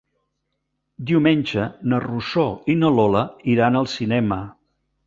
Diumenge na Rosó i na Lola iran al cinema.